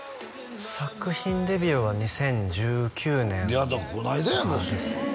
作品デビューは２０１９年こないだやんかそれですね